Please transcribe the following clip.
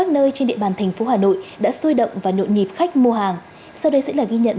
nội địa tám mươi năm khách quốc tế ba mươi năm khách